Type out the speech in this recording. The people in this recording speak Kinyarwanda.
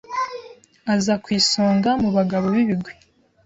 aza ku isonga mu bagabo b’ibigwi